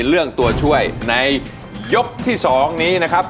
เรื่องตัวช่วยในยกที่๒นี้นะครับ